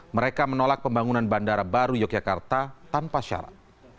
mereka menolak pembangunan bandara baru yogyakarta tanpa syarat